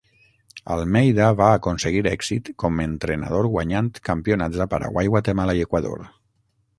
Almeida va aconseguir èxit com entrenador guanyant campionats a Paraguai, Guatemala i Equador.